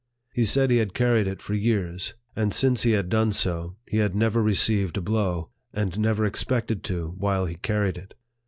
He said he had carried it for years ; and since he had done so, he had never received a blow, and never expected to while he carried it.